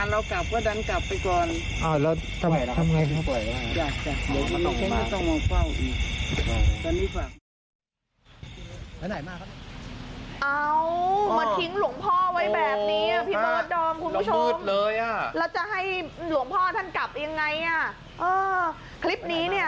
แล้วจะให้หลวงพ่อท่านกลับยังไงอ่ะเออคลิปนี้เนี่ย